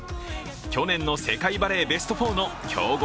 去年の世界バレーベスト４の強豪